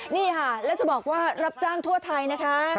นี่ค่ะแล้วจะบอกว่ารับจ้างทั่วไทยนะคะ